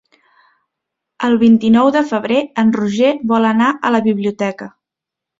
El vint-i-nou de febrer en Roger vol anar a la biblioteca.